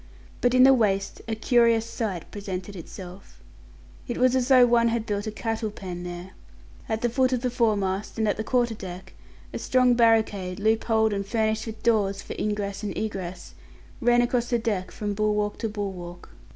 But in the waist a curious sight presented itself. It was as though one had built a cattle pen there. At the foot of the foremast, and at the quarter deck, a strong barricade, loop holed and furnished with doors for ingress and egress, ran across the deck from bulwark to bulwark.